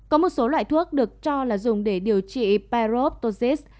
có một số loại thuốc được cho là dùng để điều trị perovosis